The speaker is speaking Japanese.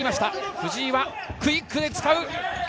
藤井はクイックを使う。